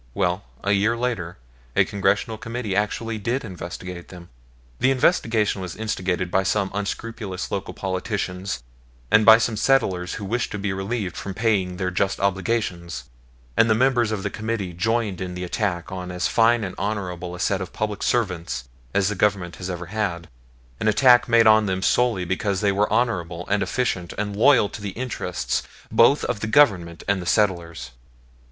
Well, a year later a Congressional Committee actually did investigate them. The investigation was instigated by some unscrupulous local politicians and by some settlers who wished to be relieved from paying their just obligations; and the members of the Committee joined in the attack on as fine and honorable a set of public servants as the Government has ever had; an attack made on them solely because they were honorable and efficient and loyal to the interests both of the Government and the settlers.